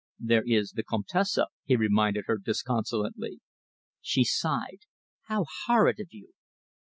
"There is the Comtesse," he reminded her disconsolately. She sighed. "How horrid of you!"